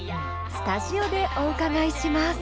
スタジオでお伺いします。